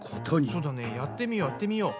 そうだねやってみようやってみよう。